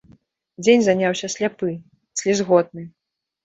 Дзень заняўся сляпы, слізготны.